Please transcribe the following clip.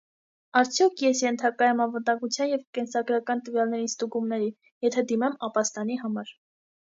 Արդյո՞ք ես ենթակա եմ անվտանգության եւ կենսագրական տվյալների ստուգումների, եթե դիմեմ ապաստանի համար: